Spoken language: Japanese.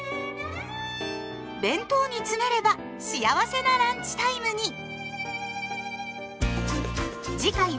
弁当に詰めれば幸せなランチタイムに！